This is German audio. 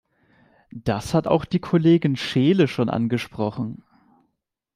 Das hat auch die Kollegin Scheele schon angesprochen.